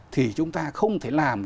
thì chúng ta không thể làm